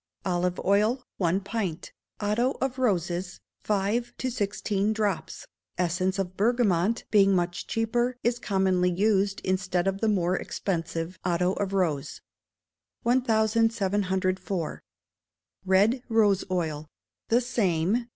Olive oil, one pint; otto of roses, five to sixteen drops. Essence of bergamot, being much cheaper, is commonly used instead of the more expensive otto of rose. 1704. Red Rose Oil. The same.